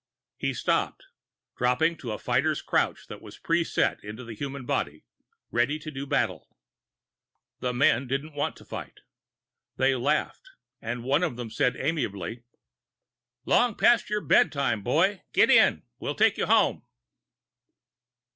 He stopped, dropping into the fighter's crouch that is pre set into the human body, ready to do battle. The men didn't want to fight. They laughed and one of them said amiably: "Long past your bedtime, boy. Get in. We'll take you home."